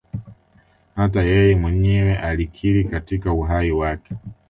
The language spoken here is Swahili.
Hata yeye mwenyewe alikiri katika uhai wake